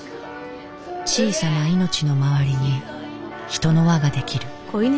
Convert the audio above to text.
小さな命の周りに人の輪が出来る。